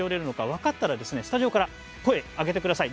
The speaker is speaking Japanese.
分かったらスタジオから声を上げてください。